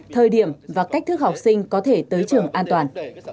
thời điểm và cách thức học sinh có thể tới trường an toàn